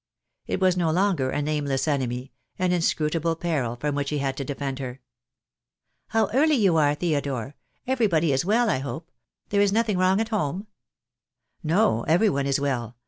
It was no longer a nameless enemy, an inscrutable peril from which he had to defend her. "How early you are, Theodore. Everybody is well, I hope — there is nothing wrong at home?" THE DAY WILL COME. 2C>3 "No. Every one is well.